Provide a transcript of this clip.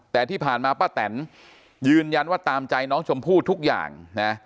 แต่ที่ผ่านมาป้าแตนยืนยันว่าตามใจน้องชมพู่ทุกอย่างนะ